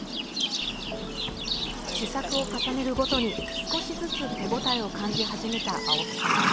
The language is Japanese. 試作を重ねるごとに少しずつ手応えを感じ始めた青木さん。